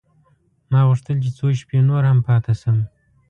ما غوښتل چې څو شپې نور هم پاته شم.